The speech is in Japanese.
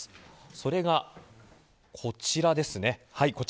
それが、こちらです。